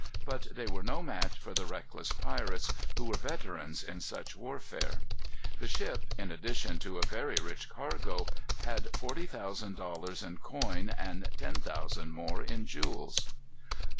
But they were no match for the reckless pirates, who were veterans in such warfare. The ship, in addition to a very rich cargo, had forty thousand dollars in coin, and ten thousand more in jewels.